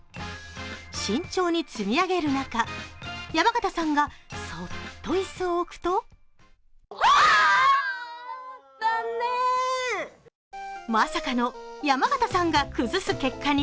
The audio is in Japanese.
慎重に積み上げる中、山形さんがそっといすを置くとまさかの山形さんが崩す結果に。